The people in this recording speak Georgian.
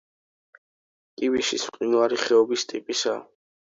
კიბიშის მყინვარი ხეობის ტიპისაა.